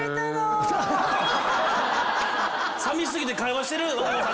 さみし過ぎて会話してる！